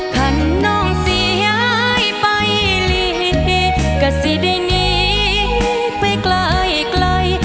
ท่านน้องเสียไปลีกะสิได้หนีไปไกลไกล